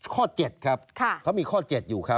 ข้อ๗ครับเขามีข้อ๗อยู่ครับ